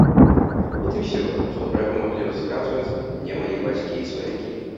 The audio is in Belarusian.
От і ўсё, што пра яго маглі расказваць мне мае бацькі і сваякі.